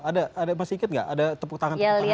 ada masih ingat gak ada tepuk tangan